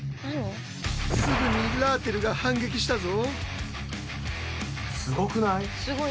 すぐにラーテルが反撃したぞ。